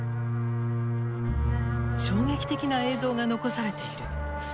衝撃的な映像が残されている。